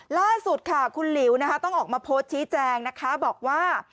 ล่าสุดค่ะคุณหลิวนะคะต้องออกมาโพสต์ชี้แจงนะคะบอกว่า